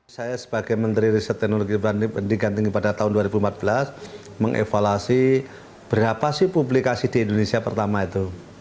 saya sebagai menteri riset teknologi pendidikan tinggi pada tahun dua ribu empat belas mengevaluasi berapa sih publikasi di indonesia pertama itu